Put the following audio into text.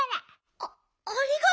あありがとう